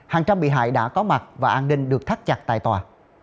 hàng trăm bị hại đã có mặt và an ninh được thắt chặt tại tòa